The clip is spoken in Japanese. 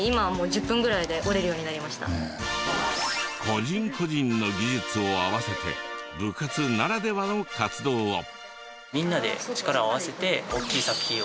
個人個人の技術を合わせて部活ならではの活動を！